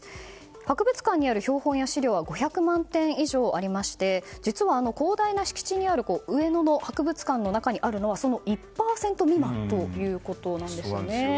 博物館にある標本や資料は５００万点以上ありまして実はあの広大な敷地にある上野の博物館の中にあるのはその１％未満ということなんですね。